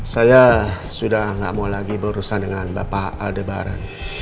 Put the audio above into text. saya sudah tidak mau lagi berurusan dengan bapak aldebaran